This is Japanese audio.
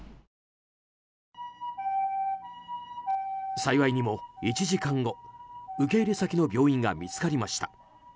幸いにも１時間後受け入れ先の病院が見つかりました。